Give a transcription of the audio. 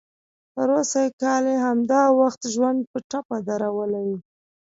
پروسږ کال همدا وخت ژوند په ټپه درولی و.